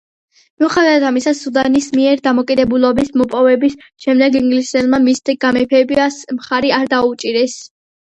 მიუხედავად ამისა სუდანის მიერ დამოუკიდებლობის მოპოვების შემდეგ ინგლისელებმა მის გამეფებას მხარი არ დაუჭირეს.